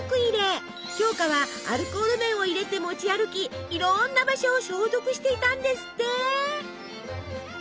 鏡花はアルコール綿を入れて持ち歩きいろんな場所を消毒していたんですって。